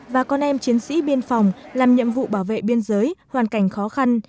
và con em chiến sĩ biên phòng làm nhiệm vụ bảo vệ biên giới hoàn cảnh khó khăn